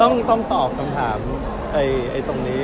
ก็รู้ต้องตอบตามถามในตรงนี้